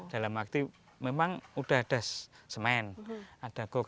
dalam arti memang udah ada semen ada gur